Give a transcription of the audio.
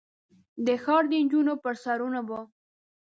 د ښار د نجونو پر سرونو به ،